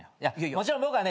もちろん僕はね